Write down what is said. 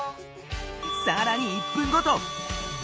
さらに１分ごと！